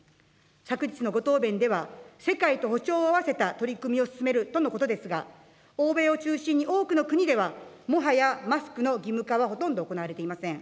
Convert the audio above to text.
昨日のご答弁では世界と歩調を合わせた取り組みを進めるとのことですが、欧米を中心に多くの国では、もはやマスクの義務化はほとんど行われていません。